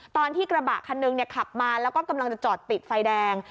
ตอนที่กระบะคันหนึ่งขับมาแล้วก็กำลังจะจอดติดไฟแดง